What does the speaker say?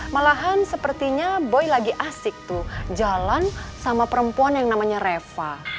malahan sepertinya boy lagi asik tuh jalan sama perempuan yang namanya reva